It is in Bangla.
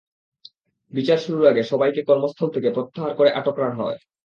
বিচার শুরুর আগে সবাইকে কর্মস্থল থেকে প্রত্যাহার করে আটক রাখা হয়।